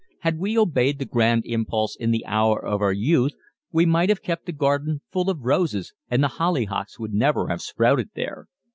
Had we obeyed the grand impulse in the hour of our youth we might have kept the garden full of roses and the hollyhocks would never have sprouted there.